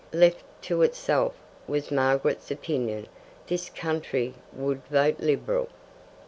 "Left to itself," was Margaret's opinion, "this county would vote Liberal."